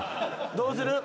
どうする？